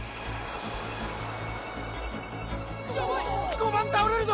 ５番倒れるぞ！